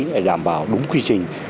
để đảm bảo đúng quy trình